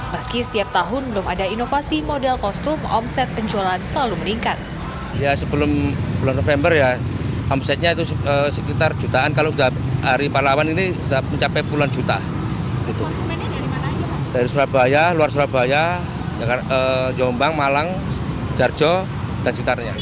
meski setiap tahun belum ada inovasi model kostum omset penjualan selalu meningkat